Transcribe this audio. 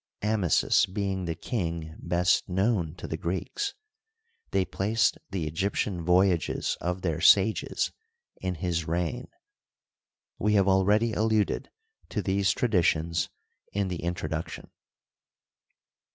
Amasis eing tne king best known to the Greeks, they placed the Egyptian voyages of their sages in his reign. We have already alluded to these traditions in the introduction.